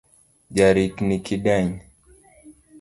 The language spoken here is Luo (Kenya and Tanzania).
Jarikni kideny